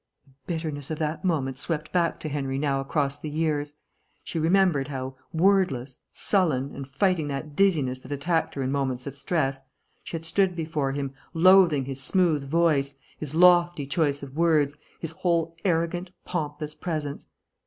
The bitterness of that moment swept back to Henry now across the years. She remembered how, wordless, sullen, and fighting that dizziness that attacked her in moments of stress, she had stood before him, loathing his smooth voice, his lofty choice of words, his whole arrogant, pompous presence.